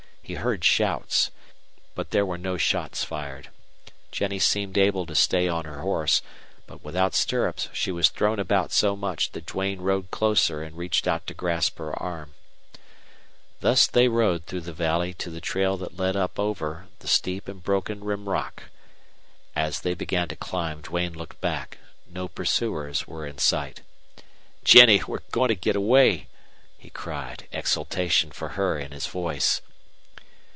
He heard shouts. But there were no shots fired. Jennie seemed able to stay on her horse, but without stirrups she was thrown about so much that Duane rode closer and reached out to grasp her arm. Thus they rode through the valley to the trail that led up over, the steep and broken Rim Rock. As they began to climb Duane looked back. No pursuers were in sight. "Jennie, we're going to get away!" he cried, exultation for her in his voice.